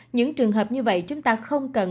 những trường hợp như vậy chúng ta không cần